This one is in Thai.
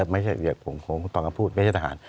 ไม่ใช่เหวียดขงคงตอนกลางพูดไม่ใช่ทหาร